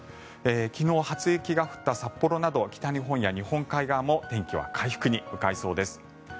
昨日、初雪が降った札幌など北日本や日本海側も天気は回復に向かいそうです。